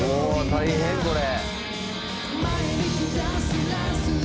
大変これ」